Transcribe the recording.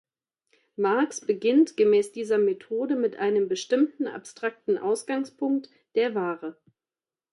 Marx beginnt gemäß dieser Methode mit einem bestimmten abstrakten Ausgangspunkt, der Ware.